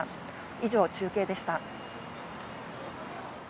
以上、中継でした。